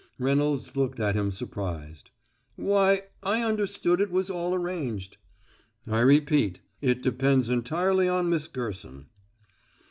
Reynolds looked at him, surprised. "Why, I understood it was all arranged " "I repeat, it depends entirely on Miss Gerson."